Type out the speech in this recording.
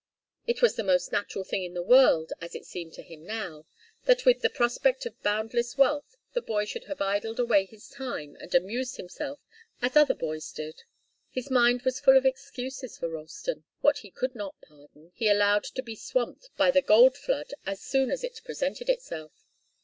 It was the most natural thing in the world as it seemed to him now, that with the prospect of boundless wealth the boy should have idled away his time and amused himself as other boys did. His mind was full of excuses for Ralston. What he could not pardon, he allowed to be swamped by the gold flood as soon as it presented itself.